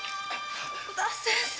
徳田先生。